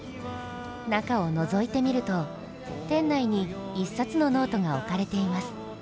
中をのぞいてみると、店内に一冊のノートが置かれています。